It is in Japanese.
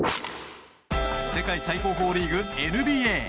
世界最高峰リーグＮＢＡ。